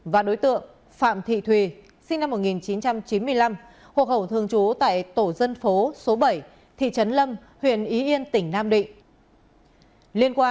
và đối tượng phạm thị thùy sinh năm một nghìn chín trăm chín mươi năm hộ khẩu thường trú tại tổ dân phố